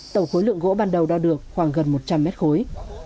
tổng khối lượng gỗ ban đầu đo được khoảng gần một trăm linh mét khối